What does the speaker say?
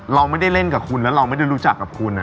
เราไม่ได้เล่นกับคุณแล้วเราไม่ได้รู้จักกับคุณ